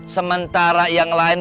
sementara yang lain